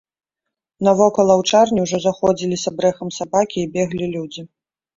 Навокал аўчарні ўжо заходзіліся брэхам сабакі і беглі людзі.